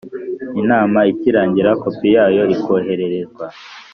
inama ikirangira kopi yayo ikohererezwa